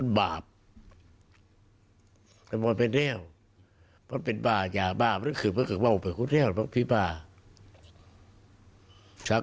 แต่ที่นายแจ๊กครองทะวัด